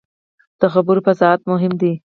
د خبرو فصاحت مهم دی